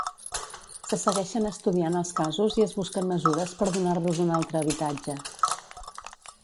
Se segueixen estudiant els casos i es busquen mesures per donar-los una altre habitatge.